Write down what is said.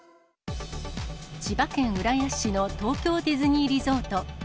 千葉県浦安市の東京ディズニーリゾート。